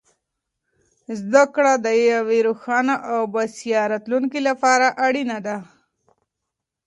زده کړه د یوې روښانه او بسیا راتلونکې لپاره اړینه ده.